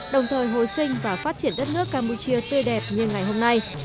đồng thời hồi sinh và phát triển đất nước campuchia tươi đẹp như ngày hôm nay